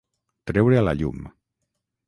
Treure a la llum.